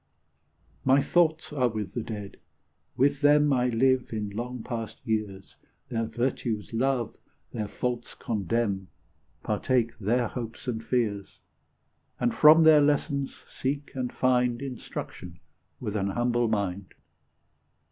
My thoughts are with the Dead ; with them I live in long past years, Their virtues love, their faults condemn, Partake their hopes and fears, And from their lessons seek and find Instruction with an humble mind.